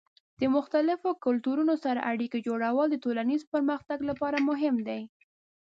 د مختلفو کلتورونو سره اړیکې جوړول د ټولنیز پرمختګ لپاره مهم دي.